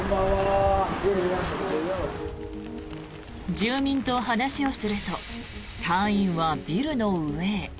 住民と話をすると隊員はビルの上へ。